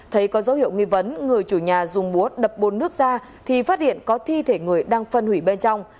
thấy có dấu hiệu nghi vấn người chủ nhà dùng búa đập bồn nước ra thì phát hiện có thi thể người đang phân hủy bên trong